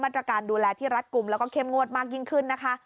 มาตรการดูแลรัดกลุ่มและเข้มงวดมากยิ่งขึ้น